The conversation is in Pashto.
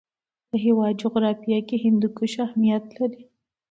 د هېواد جغرافیه کې هندوکش اهمیت لري.